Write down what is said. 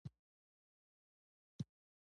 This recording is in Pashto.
استاد د سختو شرایطو سره مقاومت کوي.